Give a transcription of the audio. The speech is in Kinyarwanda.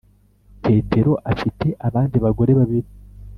petero afite abandi bagore babiri.